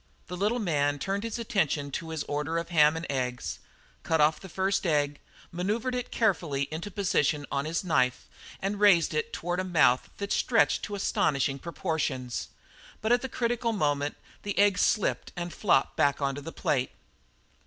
The little man turned his attention to his order of ham and eggs, cut off the first egg, manoeuvred it carefully into position on his knife, and raised it toward a mouth that stretched to astonishing proportions; but at the critical moment the egg slipped and flopped back on the plate.